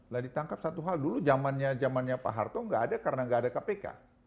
lah ditangkap satu hal dulu zamannya pak harto nggak ada karena nggak ada kpk